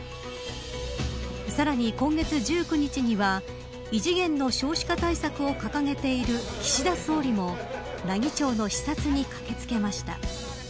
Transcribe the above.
さらに、今月１９日には異次元の少子化対策を掲げている岸田総理も奈義町の視察に駆け付けました。